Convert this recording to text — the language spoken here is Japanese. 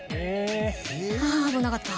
あ危なかった。